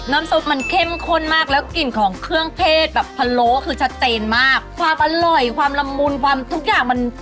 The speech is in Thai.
น้ำซุปมันเข้มข้นมากแล้วกลิ่นของเครื่องเทศแบบพะโล้คือชัดเจนมากความอร่อยความละมุนความทุกอย่างมัน